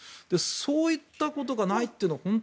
そういったことがないというのは本当に。